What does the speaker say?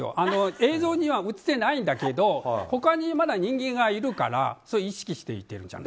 映像には映ってないんだけど他にまだ人間がいるから意識して言ってるじゃない。